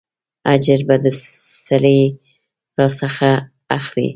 اجر به د سړي راڅخه اخلې.